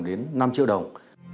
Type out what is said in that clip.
đến năm triệu đồng